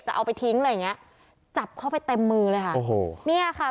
เอาไปทิ้งอะไรอย่างเงี้ยจับเข้าไปเต็มมือเลยค่ะโอ้โหเนี่ยค่ะ